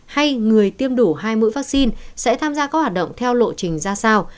hay người tiêm đủ hai mũi vaccine sẽ tham gia các hoạt động theo lộ trình ra sao